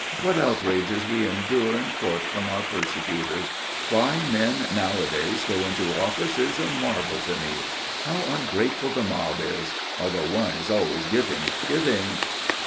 What outrages we endure in court from our persecutors! Why men nowadays go into office, is a marvel to me. How ungrateful the mob is! although one is always giving, giving."